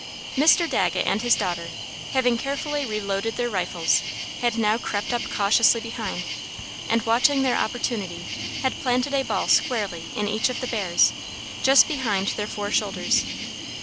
Mr. Dagget and his daughter, having carefully reloaded their rifles, had now crept up cautiously behind, and watching their opportunity, had planted a ball squarely in each of the bears, just behind their fore shoulders.